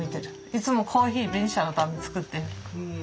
いつもコーヒーベニシアのために作ってる。